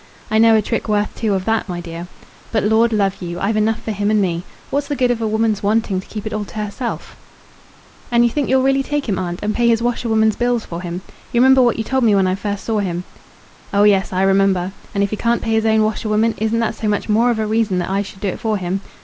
I know a trick worth two of that, my dear. But, lord love you! I've enough for him and me. What's the good of a woman's wanting to keep it all to herself?" [Illustration: A sniff of the rocks and valleys.] "And you think you'll really take him, aunt, and pay his washerwoman's bills for him? You remember what you told me when I first saw him?" "Oh, yes; I remember. And if he can't pay his own washerwoman, isn't that so much more of a reason that I should do it for him?